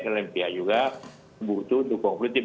dan pihak lain juga butuh untuk memproses kekayaannya